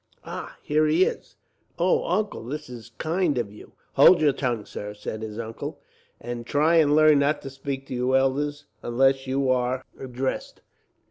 "Ah! Here he is. "Oh, Uncle, this is kind of you!" "Hold your tongue, sir," said his uncle, "and try and learn not to speak to your elders, unless you are addressed.